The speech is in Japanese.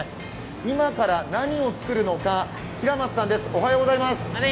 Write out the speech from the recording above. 今から何を作るのか、平松さんです。